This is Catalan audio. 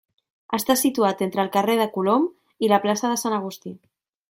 Està situat entre el carrer de Colom i la plaça de Sant Agustí.